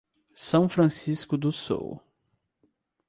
São Francisco do Sul